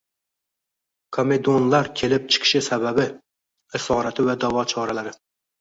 Komedonlar: kelib chiqish sababi, asorati va davo choralari